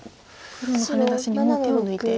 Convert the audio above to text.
黒のハネ出しに手を抜いて。